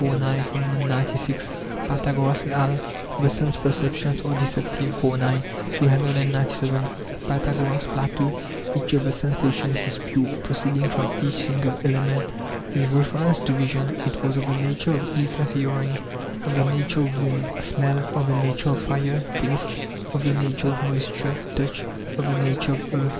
9; 396. Pythagoras et al.: The sense perceptions are deceptive. iv. 9; 897. Pythagoras, Plato: Each of the sensations is pure, proceeding from each single element. With reference to vision, it was of the nature of aether ; hearing, of the nature of wind; smell, of the nature of fire; taste, of the nature of moisture; touch, of the nature of earth.